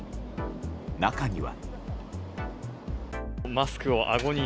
中には。